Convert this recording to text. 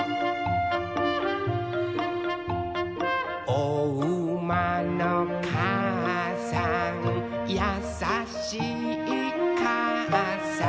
「おうまのかあさんやさしいかあさん」